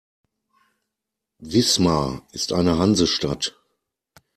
Wismar ist eine Hansestadt.